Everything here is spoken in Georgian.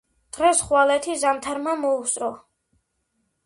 დღეს-ხვალეთი ზამთარმა მოუსწრო